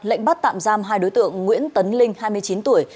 lệnh bắt tạm giam hai đối tượng nguyễn tấn linh hai mươi chín tuổi